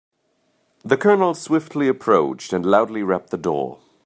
The colonel swiftly approached and loudly rapped the door.